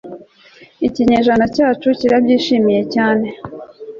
ikinyejana cyacu kirabyishimiye cyane